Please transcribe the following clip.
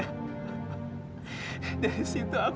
kamu gak ada kata luar biasa ayah